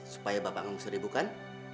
supaya bapak gak mengusir ibu kan